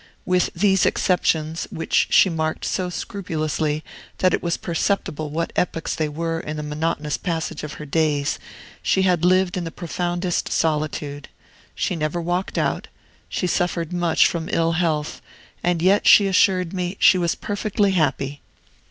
With these exceptions, which she marked so scrupulously that it was perceptible what epochs they were in the monotonous passage of her days, she had lived in the profoundest solitude. She never walked out; she suffered much from ill health; and yet, she assured me, she was perfectly happy.